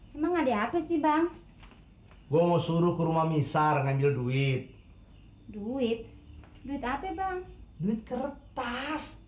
hai emang ada apa sih bang gua mau suruh ke rumah misal ngambil duit duit duit apa bang duit kertas